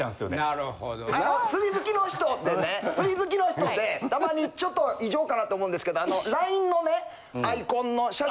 あの釣り好きの人でね釣り好きの人でたまにちょっと異常かなって思うんですけど。